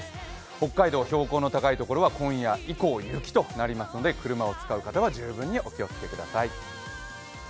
北海道標高の高いところは今夜以降、雪となりますので、車を使う方は十分にお気をつけください。